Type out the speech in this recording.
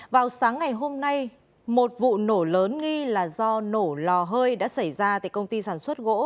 vào sáng ngày hôm nay một vụ nổ lớn nghi là do nổ lò hơi đã xảy ra tại công ty sản xuất gỗ